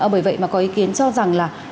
bởi vậy mà có ý kiến cho rằng là